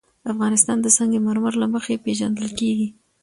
افغانستان د سنگ مرمر له مخې پېژندل کېږي.